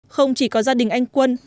không chỉ có gia đình anh quân